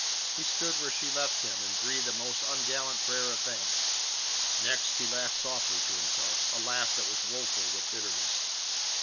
He stood where she had left him, and breathed a most ungallant prayer of thanks. Next he laughed softly to himself, a laugh that was woeful with bitterness.